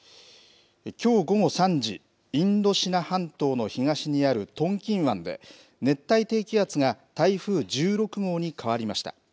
きょう午後３時、インドシナ半島の東にあるトンキン湾で、熱帯低気圧が台風１６号に変わりました。